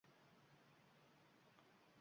Chekaman alam.